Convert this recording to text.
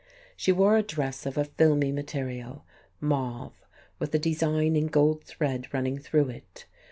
She wore a dress of a filmy material, mauve, with a design in gold thread running through it.